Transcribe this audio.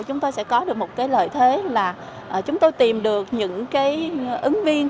chúng tôi sẽ có được một lợi thế là chúng tôi tìm được những cái ứng viên